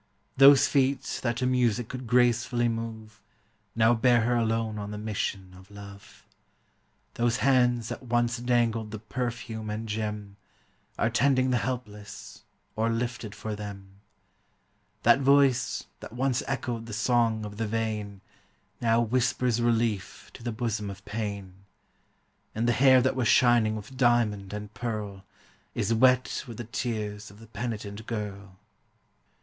Those feet, that to music could gracefully move, Now bear her alone on the mission of love; Those hands, that once dangled the perfume and gem, Are tending the helpless, or lifted for them; That voice, that once echoed the song of the vain. Now whispers relief to the bosom of pain; And the hair that was shining with diamond and pearl, Is wet with the tears of the penitent girl.